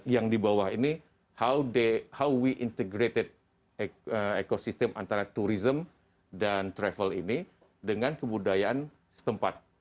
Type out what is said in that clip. yang di bawah ini how we integrated ekosistem antara tourism dan travel ini dengan kebudayaan setempat